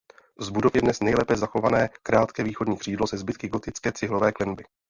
Z budov je dnes nejlépe zachované krátké východní křídlo se zbytky gotické cihlové klenby.